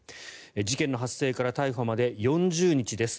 事件の発生から逮捕まで４０日です。